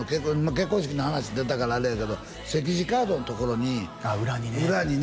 結婚式の話出たからあれやけど席次カードのところに裏にね